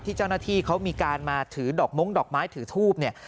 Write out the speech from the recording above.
เจ้าหน้าที่เขามีการมาถือดอกม้งดอกไม้ถือทูบเนี่ย